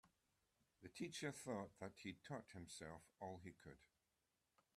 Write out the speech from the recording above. The teacher thought that he'd taught himself all he could.